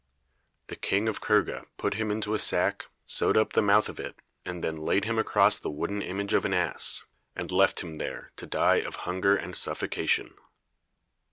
The King of Kurga put him into a sack, sewed up the mouth of it, and then laid him across the wooden image of an ass, and left him there to die of hunger and suffocation.